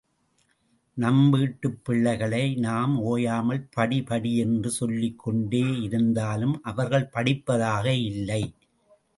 நம் வீட்டுப் பிள்ளைகளை நாம் ஓயாமல் படி படி என்று சொல்லிக்கொண்டேயிருந்தாலும் அவர்கள் படிப்பதாக இல்லை.